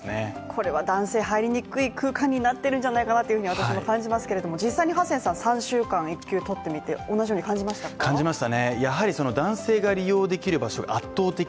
これは男性入りにくい空間になってるんじゃないかなというふうに私は感じますけれども実際に３週間育休とってみて、同じように感じました